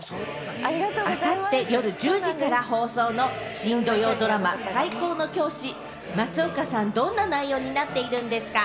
あさって夜１０時から放送の新土曜ドラマ『最高の教師』。松岡さん、どんな内容になっているんですか？